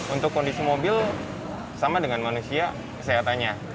untuk kondisi mobil sama dengan manusia kesehatannya